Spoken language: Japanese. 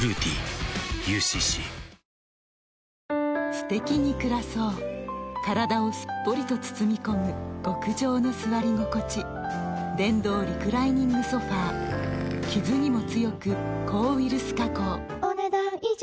すてきに暮らそう体をすっぽりと包み込む極上の座り心地電動リクライニングソファ傷にも強く抗ウイルス加工お、ねだん以上。